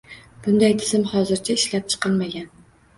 Bunday tizim hozircha ishlab chiqilmagan.